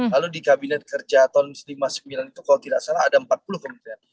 lalu di kabinet kerja tahun seribu sembilan ratus lima puluh sembilan itu kalau tidak salah ada empat puluh kementerian